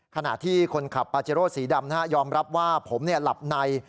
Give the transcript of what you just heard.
ขณะที่คนขับปาเจโร่สีดำยอมรับว่าผมหลับใน